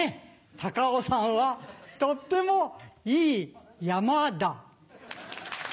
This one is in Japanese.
高尾山はとってもいいヤマダ。